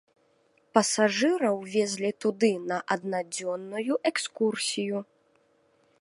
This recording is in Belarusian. Пасажыраў везлі туды на аднадзённую экскурсію.